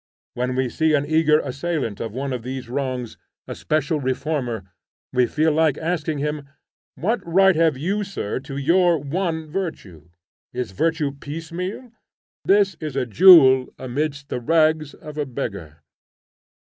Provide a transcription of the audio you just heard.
When we see an eager assailant of one of these wrongs, a special reformer, we feel like asking him, What right have you, sir, to your one virtue? Is virtue piecemeal? This is a jewel amidst the rags of a beggar.